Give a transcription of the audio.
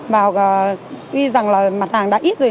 và tuy rằng là mặt hàng đã ít rồi